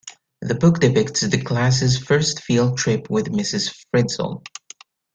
The book depicts the class's first field trip with Ms. Frizzle.